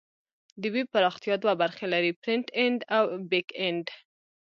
د ویب پراختیا دوه برخې لري: فرنټ اینډ او بیک اینډ.